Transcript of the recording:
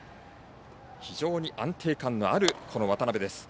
非常に安定感のある渡邊です。